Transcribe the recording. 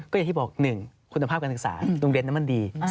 ก็อย่างที่บอก๑คุณภาพการศึกษาโรงเรียนนั้นมันดี